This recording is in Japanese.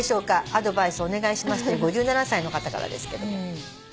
「アドバイスお願いします」という５７歳の方からですけども。